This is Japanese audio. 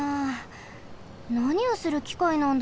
なにをするきかいなんだろう？